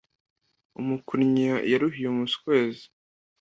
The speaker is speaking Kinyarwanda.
Umukunnyi yaruhiye umuswezi